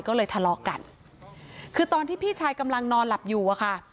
ก็เลยทะเลาะกันคือตอนที่พี่ชายกำลังนอนหลับอยู่อะค่ะ